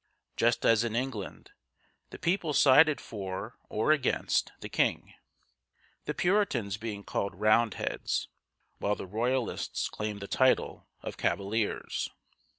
Just as in England, the people sided for or against the king, the Puritans being called "Roundheads," while the Royalists claimed the title of "Cav a liers´."